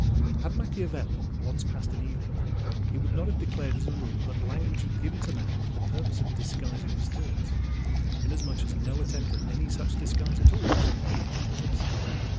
Had Machiavelli once passed an evening there, he would not have declared as a rule that "language was given to man for the purpose of disguising his thoughts;" inasmuch as no attempt at any such disguise at all was made in that place.